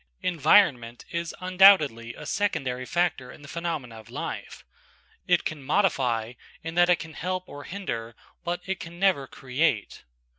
Environment is undoubtedly a secondary factor in the phenomena of life; it can modify in that it can help or hinder, but it can never create.